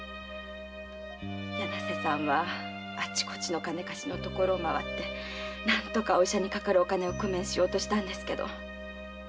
柳瀬さんはあちこちのお金貸しのところを回って何とかお医者にかかるお金を工面しようとしたんですけど。